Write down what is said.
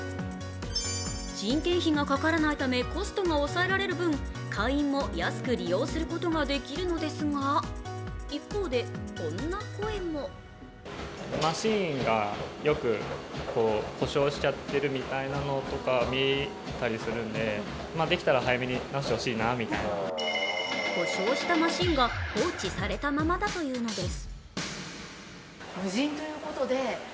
人件費がかからないためコストが抑えられる分会員も安く利用することができるんですが一方でこんな声も故障したマシンが放置されているままだというのです。